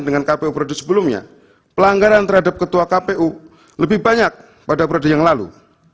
dengan kpu periode sebelumnya pelanggaran terhadap ketua kpu lebih banyak pada periode yang lalu